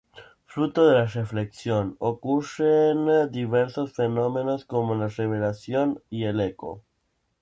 Fruto de la reflexión ocurren diversos fenómenos como la reverberación y el eco.